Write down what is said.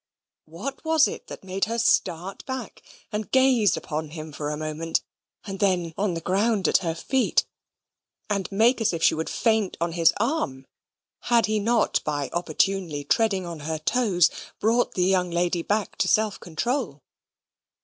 What was it that made her start back, and gaze upon him for a moment, and then on the ground at her feet, and make as if she would faint on his arm, had he not by opportunely treading on her toes, brought the young lady back to self control?